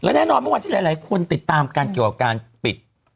แน่นอนเมื่อวานที่หลายคนติดตามกันเกี่ยวกับการปิด